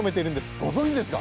ご存じですか？